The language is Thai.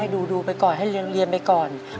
ดูไปก่อนให้เรียนไปก่อน